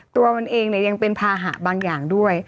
ตัวมันเองเนี่ยยังเป็นภาหะบางอย่างด้วย